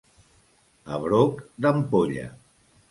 A broc d'ampolla.